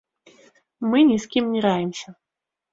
Мы ні з кім не раімся!